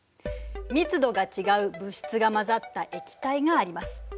密度が違う物質が混ざった液体があります。